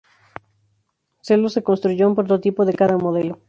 Sólo se construyó un prototipo de cada modelo.